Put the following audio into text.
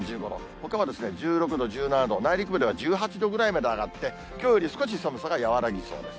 ほかは１６度、１７度、内陸部では１８度ぐらいまで上がって、きょうより少し寒さが和らぎそうです。